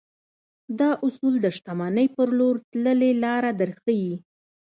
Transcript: دا اصول د شتمنۍ پر لور تللې لاره درښيي.